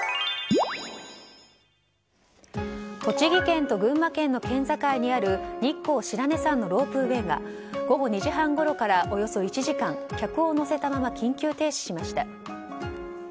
栃木県と群馬県の県境にある日光白根山のロープウェーが午後２時半ごろからおよそ１時間客を乗せたまま緊急停止しました。